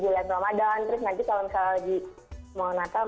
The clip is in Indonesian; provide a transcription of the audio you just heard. di bulan ramadhan terus nanti kalau mau natal mereka juga ada gitu macam macam